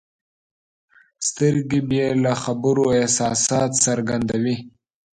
سترګې بې له خبرو احساسات څرګندوي.